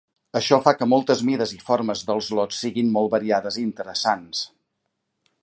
Això fa que moltes mides i formes dels lots siguin molt variades i interessants.